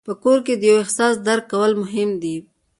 په کور کې د یو بل احساس درک کول مهم دي.